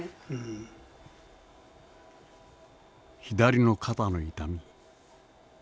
左の肩の痛み。